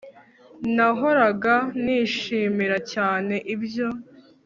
nahoraga nishimira cyane ibyo